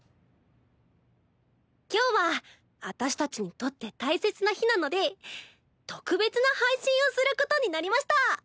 今日は私たちにとって大切な日なので特別な配信をすることになりました。